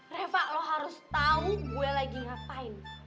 reva lo harus tahu gue lagi ngapain